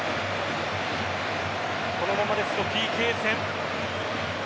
このままですとＰＫ戦。